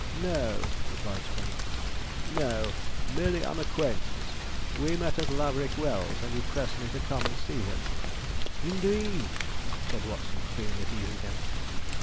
'No,' replied Sponge; 'no; merely an acquaintance. We met at Laverick Wells, and he pressed me to come and see him.' 'Indeed!' said Watson, feeling at ease again.